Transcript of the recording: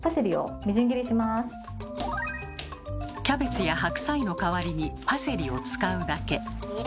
キャベツや白菜の代わりにパセリを使うだけ。